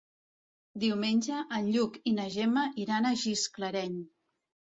Diumenge en Lluc i na Gemma iran a Gisclareny.